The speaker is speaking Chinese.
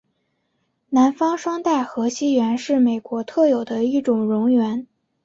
南方双带河溪螈是美国特有的一种蝾螈。